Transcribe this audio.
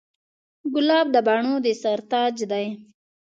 ګلاب د بڼو سر تاج دی.